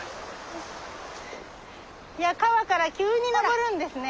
川から急に登るんですね。